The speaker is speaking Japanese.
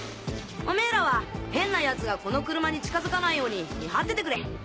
おめぇらは変な奴がこの車に近付かないように見張っててくれ！